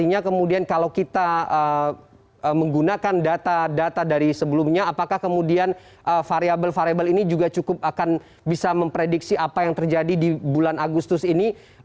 artinya kemudian kalau kita menggunakan data data dari sebelumnya apakah kemudian variable variable ini juga cukup akan bisa memprediksi apa yang terjadi di bulan agustus ini